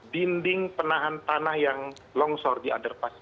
dinding penahan tanah yang longsor di underpass